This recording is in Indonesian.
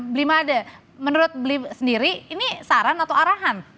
blima ada menurut beli sendiri ini saran atau arahan